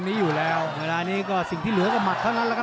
มั่นใจว่าจะได้แชมป์ไปพลาดโดนในยกที่สามครับเจอหุ้กขวาตามสัญชาตยานหล่นเลยครับ